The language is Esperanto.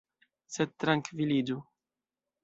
Sed trankviliĝu!